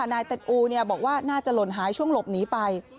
นายเต็ดอูบอกว่าน่าจะหล่นหายช่วงหลบหนีไป